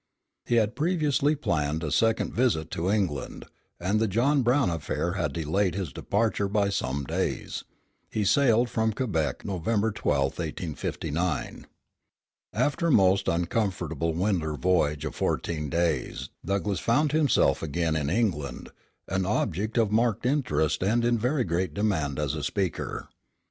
He had previously planned a second visit to England, and the John Brown affair had delayed his departure by some days. He sailed from Quebec, November 12, 1859. After a most uncomfortable winter voyage of fourteen days Douglass found himself again in England, an object of marked interest and in very great demand as a speaker.